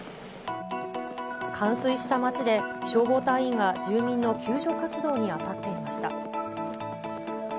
冠水した町で、消防隊員が住民の救助活動に当たっていました。